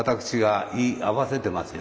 居合わせてます。